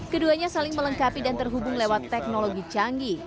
keduanya saling melengkapi dan terhubung lewat teknologi canggih